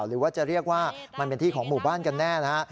หรือว่าจะเรียกว่ามันเป็นที่ของหมู่บ้านกันแน่นะฮะ